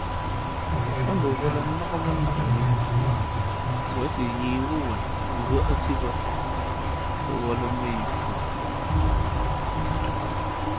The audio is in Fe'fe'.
Ά mbαwᾱlᾱ nák mά nak mǐ zěn si yīī wú wen ngʉ́άʼsí bᾱ, mbαwᾱlᾱ mα̌ yi fʉʼ.